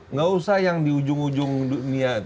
nggak usah yang di ujung ujungnya